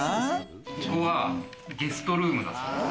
ここはゲストルームだそうです。